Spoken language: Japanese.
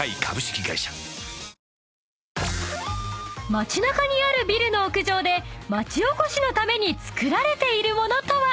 ［街なかにあるビルの屋上で町おこしのために作られているものとは？］